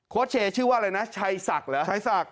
โค้ชเชชื่อว่าอะไรนะชัยศักดิ์เหรอครับชัยศักดิ์